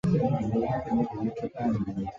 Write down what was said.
但性力派女神要血肉供养。